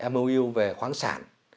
mou về khoáng sản